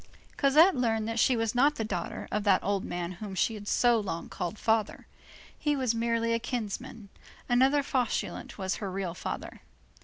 Cosette learned that she was not the daughter of that old man whom she had so long called father. He was merely a kinsman; another Fauchelevent was her real father.